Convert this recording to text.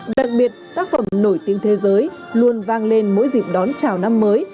đặc biệt tác phẩm nổi tiếng thế giới luôn vang lên mỗi dịp đón chào năm mới